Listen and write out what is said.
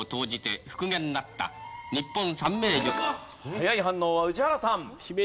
早い反応は宇治原さん。